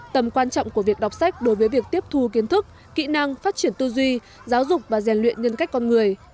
tầm quan trọng của việc đọc sách đối với việc tiếp thu kiến thức kỹ năng phát triển tư duy giáo dục và rèn luyện nhân cách con người